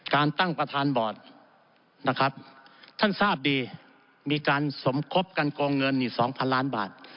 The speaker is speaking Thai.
การตั้งประธานบอร์ดนะครับท่านทราบดีมีการสมคบกันโกงเงินนี่๒๐๐ล้านบาท